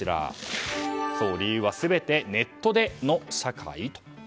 理由は全てネットで！の社会？